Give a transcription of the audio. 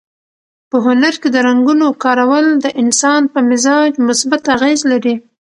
په هنر کې د رنګونو کارول د انسان په مزاج مثبت اغېز لري.